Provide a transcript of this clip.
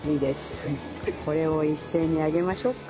これを一斉に揚げましょうか。